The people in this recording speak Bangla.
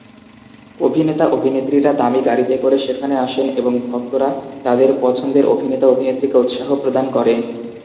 অভিনেতা-অভিনেত্রীরা দামী গাড়িতে করে সেখানে আসেন এবং ভক্তরা তাদের পছন্দের অভিনেতা-অভিনেত্রীকে উৎসাহ প্রদান করে।